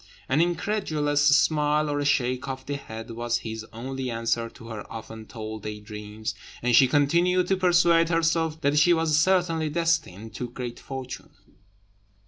An incredulous smile or a shake of the head was his only answer to her often told day dreams; and she continued to persuade herself that she was certainly destined to great fortune.